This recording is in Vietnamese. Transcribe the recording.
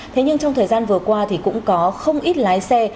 thế nhưng trong thời gian vừa qua thì cũng có không ít lái xe